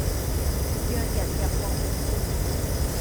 讓人入夢